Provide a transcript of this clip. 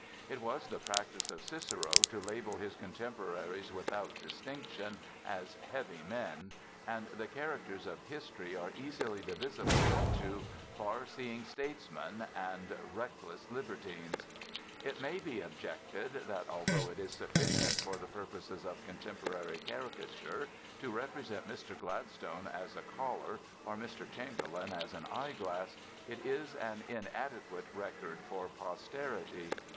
It was the practice of Cicero to label his contemporaries without distinction as "heavy men," and the characters of history are easily divisible into "far seeing statesmen" and "reckless libertines." It may be objected that although it is sufficient for the purposes of contemporary caricature to represent Mr. Gladstone as a collar or Mr. Chamberlain as an eye glass, it is an inadequate record for posterity.